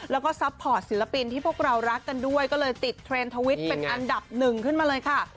แล้วก็ซัพพอร์ตศิลปินที่พวกเรารักกันด้วยก็เลยติดเทรนด์ทวิตเป็นอันดับหนึ่งขึ้นมาเลยค่ะ